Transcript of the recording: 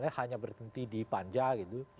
hanya berhenti di panja gitu